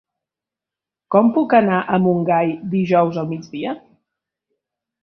Com puc anar a Montgai dijous al migdia?